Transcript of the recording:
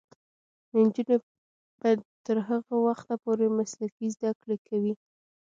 نجونې به تر هغه وخته پورې مسلکي زدکړې کوي.